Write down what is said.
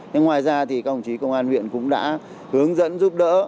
thế ngoài ra thì các ông chí công an huyện cũng đã hướng dẫn giúp đỡ